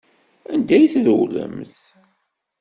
Anda i trewlemt?